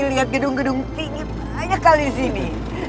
lihat gedung gedung tinggi banyak kali di sini